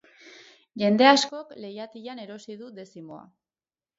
Jende askok leihatilan erosi du dezimoa.